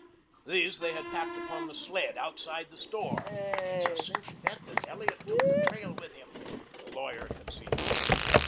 These they had packed upon the sled outside the store. "It's a cinch bet that Elliot took the trail with him," the lawyer conceded.